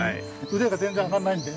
腕が全然上がんないんで。